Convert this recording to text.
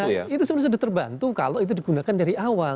nah itu sebenarnya sudah terbantu kalau itu digunakan dari awal